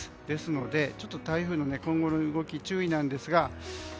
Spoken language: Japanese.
ですので、台風の今後の動きに注意なんですが。